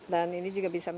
dan ini juga bisa